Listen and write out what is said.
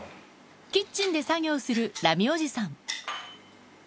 キッチンで作業するラミおじさん